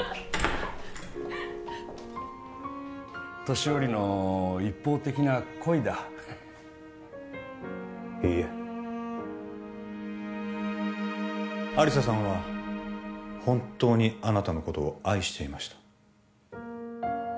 年寄りの一方的な恋だいいえ亜理紗さんは本当にあなたのことを愛していました